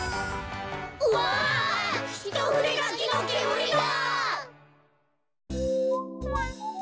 うわひとふでがきのけむりだ。